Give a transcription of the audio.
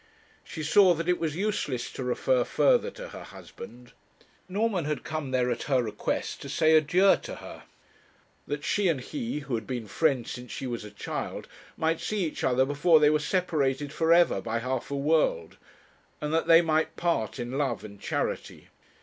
She saw that it was useless to refer further to her husband. Norman had come there at her request to say adieu to her; that she and he, who had been friends since she was a child, might see each other before they were separated for ever by half a world, and that they might part in love and charity.